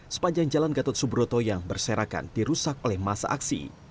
sepanjang jalan gatot subroto yang berserakan dirusak oleh masa aksi